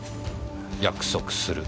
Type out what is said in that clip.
「約束する。